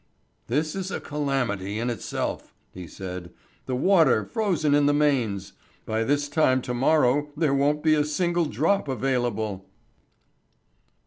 "This is a calamity in itself," he said. "The water frozen in the mains! By this time to morrow there won't be a single drop available."